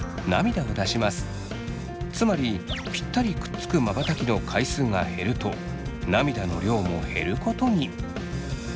つまりピッタリくっつくまばたきの回数が減ると涙の量も減ることに。